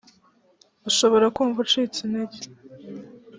ushobora kumva ucitse intege